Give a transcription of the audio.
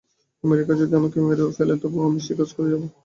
America যদি আমাকে মেরেও ফেলে, তবু আমি সেই কাজ করে যাব।